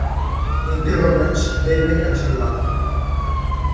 L'intero match venne cancellato.